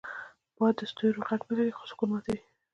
باد د ستوریو غږ نه لري، خو سکون ماتوي